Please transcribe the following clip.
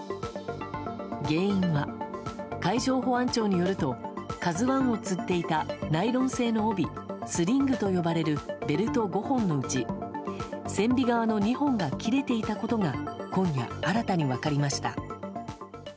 原因は、海上保安庁によると「ＫＡＺＵ１」をつっていたナイロン製の帯スリングと呼ばれるベルト５本のうち船尾側の２本が切れていたことが今夜、新たに分かりました。